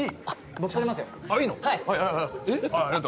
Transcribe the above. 僕撮りますよえっ？